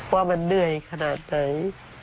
ว่ามันเหนื่อยขนาดไหน